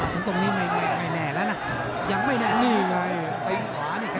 ถึงตรงนี้ไม่แน่แล้วนะยังไม่แน่